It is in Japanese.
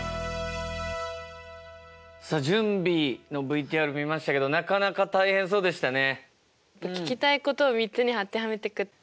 さあ準備のＶＴＲ見ましたけどなかなか大変そうでしたね。